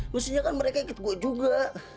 mestinya kan mereka ikut gue juga